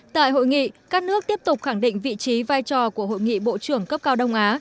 tại hội nghị các nước tiếp tục khẳng định vị trí vai trò của hội nghị bộ trưởng cấp cao đông á